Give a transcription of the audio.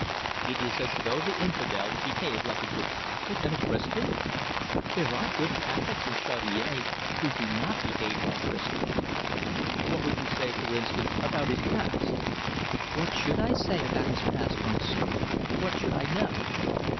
"It is as though the infidel behaved like a good Catholic and a Christian?" "There are good Catholics in Chaudiere who do not behave like Christians." "What would you say, for instance, about his past?" "What should I say about his past, Monsieur? What should I know?"